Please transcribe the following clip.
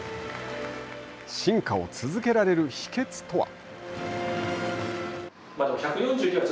進化を続けられる秘けつとは。